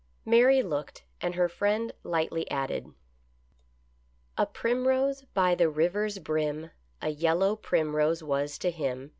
Mary looked, and her friend lightly added :"' A primrose by the river's brim A yellow primrose was to him.